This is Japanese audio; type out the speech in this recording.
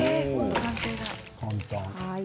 簡単。